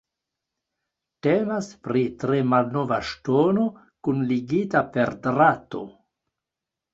Temas pri tre malnova ŝtono kunligita per drato.